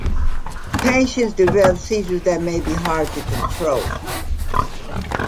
Patients develop seizures that may be hard to control.